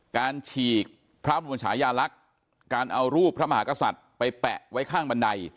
ฉีกพระบรมชายาลักษณ์การเอารูปพระมหากษัตริย์ไปแปะไว้ข้างบันได